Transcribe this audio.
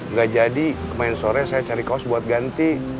nggak jadi main sore saya cari kaos buat ganti